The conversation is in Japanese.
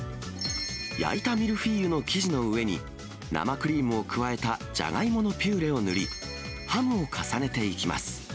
焼いたミルフィーユの生地の上に、生クリームを加えたじゃがいものピューレを塗り、ハムを重ねていきます。